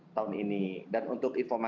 tahun ini dan untuk evoma